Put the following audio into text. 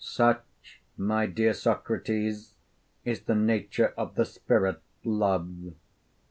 Such, my dear Socrates, is the nature of the spirit Love.